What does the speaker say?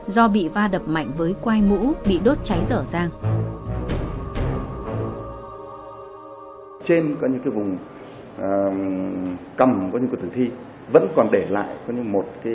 do bị va đập mạnh với quai mũ bị đốt cháy rở ràng